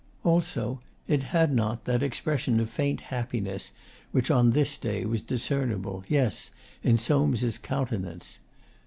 Also, it had not that expression of faint happiness which on this day was discernible, yes, in Soames' countenance.